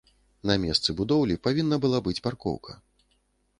На месцы будоўлі павінна была быць паркоўка.